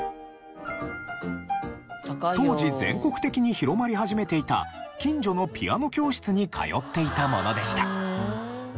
当時全国的に広まり始めていた近所のピアノ教室に通っていたものでした。